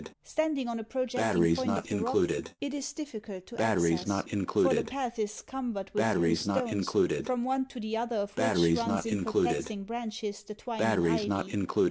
Standing on a projecting point of the rock, it is difficult of access, for the path is cumbered with loose stones, from one to the other of which runs in perplexing branches the twining ivy.